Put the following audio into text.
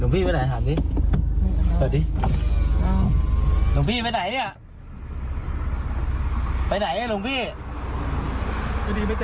ผู้ผู้ไหนผู้แคร์อยู่ผู้แคร์